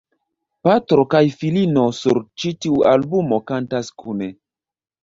Patro kaj filino sur ĉi tiu albumo kantas kune.